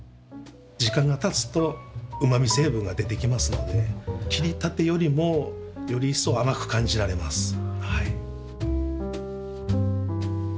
時間がたつと旨み成分が出てきますので切りたてよりもより一層甘く感じられます。